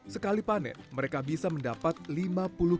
sekali panen mereka akan mencari sayur yang lebih segar dan lebih mudah